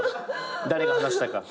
誰が話したか。